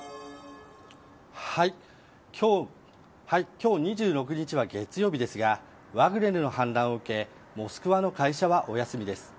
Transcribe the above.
今日２６日は月曜日ですがワグネルの反乱を受けモスクワの会社はお休みです。